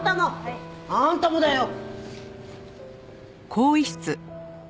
あんたもだよ！